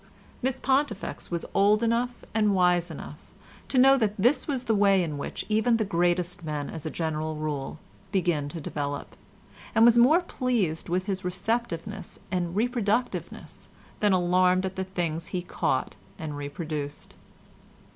Miss Pontifex was old enough and wise enough to know that this is the way in which even the greatest men as a general rule begin to develop, and was more pleased with his receptiveness and reproductiveness than alarmed at the things he caught and reproduced.